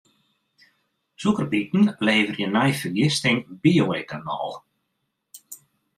Sûkerbiten leverje nei fergisting bio-etanol.